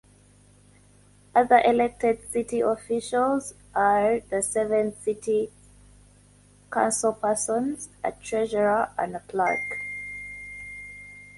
Other elected city officials are the seven city councilpersons, a treasurer and a clerk.